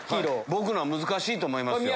僕のは難しいと思いますよ。